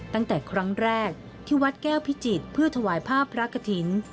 ตั้งแต่ครั้งแรกที่วัดแก้วพิจิตรเพื่อถวายภาพพระกฐิน